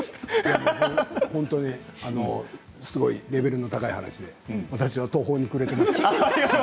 本当にすごいレベルの高い話で私は途方に暮れています。